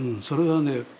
それはね